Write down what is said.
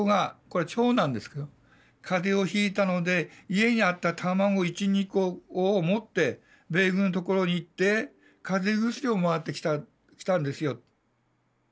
これは長男ですけど「カゼをひいたので家にあった卵１２個を持って米軍のところに行ってカゼ薬をもらってきたんですよ」。